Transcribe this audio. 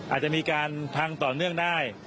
อาจจะมีการพังต่อเนื่องได้